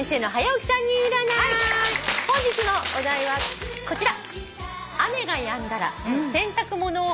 本日のお題はこちら。